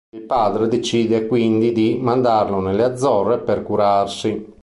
Il padre decide quindi di mandarlo nelle Azzorre per curarsi.